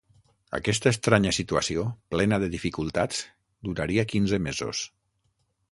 Aquesta estranya situació, plena de dificultats, duraria quinze mesos.